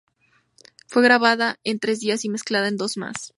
Fue grabada en tres días y mezclada en dos más.